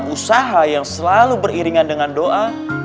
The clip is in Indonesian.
usaha yang selalu beriringan dengan doa